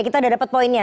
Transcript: kita sudah dapat poinnya